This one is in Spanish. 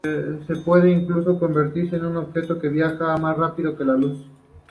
Se puede incluso convertirse en un objeto que viaja más rápido que la luz.